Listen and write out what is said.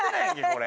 これ。